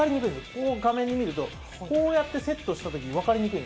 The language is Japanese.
こう画面で見ると、こうやってセットしたとき分かりにくい。